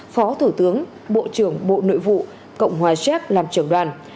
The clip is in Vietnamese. phó thủ tướng bộ trưởng bộ nội vụ cộng hòa xéc làm trưởng đoàn